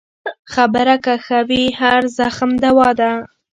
خبره که ښه وي، هر زخم دوا ده.